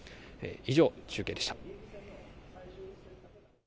以上、中継でした。